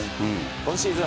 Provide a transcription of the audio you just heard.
今シーズン